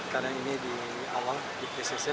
karena ini di awal di pre season